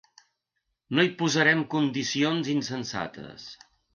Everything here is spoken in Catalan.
No hi posarem condicions insensates.